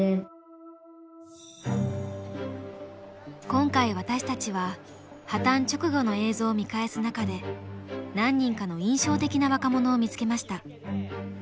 今回私たちは破綻直後の映像を見返す中で何人かの印象的な若者を見つけました。